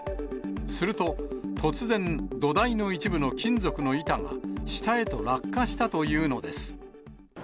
すると、突然、土台の一部の金属の板が下へと落下したというのです。